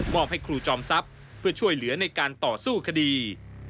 อบให้ครูจอมทรัพย์เพื่อช่วยเหลือในการต่อสู้คดี